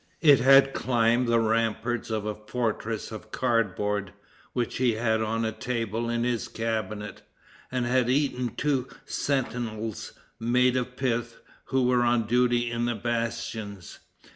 It had climbed the ramparts of a fortress of card board, which he had on a table in his cabinet, and had eaten two sentinels, made of pith, who were on duty in the bastions.